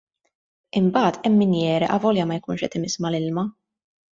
Imbagħad hemm min jegħreq avolja ma jkunx qed imiss mal-ilma.